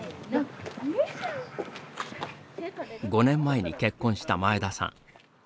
５年前に結婚した前田さん。